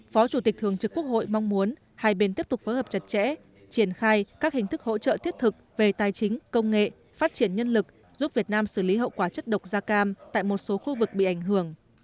phó chủ tịch thường trực quốc hội mong muốn hai bên tiếp tục phối hợp chặt chẽ triển khai các hình thức hỗ trợ thiết thực về tài chính công nghệ phát triển nhân lực giúp việt nam xử lý hậu quả chất độc da cam tại một số khu vực bị ảnh hưởng